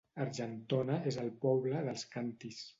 Argentona és el poble dels càntirs